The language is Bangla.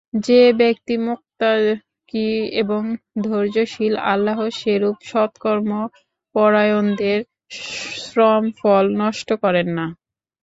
যে ব্যক্তি মুত্তাকী এবং ধৈর্যশীল, আল্লাহ সেরূপ সৎকর্ম পরায়ণদের শ্রমফল নষ্ট করেন না।